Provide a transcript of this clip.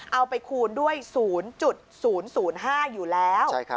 เอาไปคูณด้วย๐๐๕อยู่แล้ว